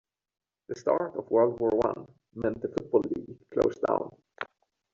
The start of World War One meant the Football League closed down.